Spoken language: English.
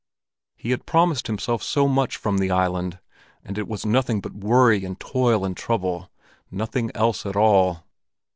He had promised himself so much from the island, and it was nothing but worry and toil and trouble —nothing else at all.